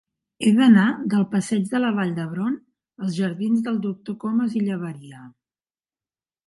He d'anar del passeig de la Vall d'Hebron als jardins del Doctor Comas i Llaberia.